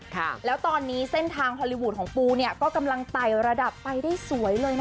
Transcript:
ค่ะแล้วตอนนี้เส้นทางฮอลลีวูดของปูเนี่ยก็กำลังไต่ระดับไปได้สวยเลยนะคะ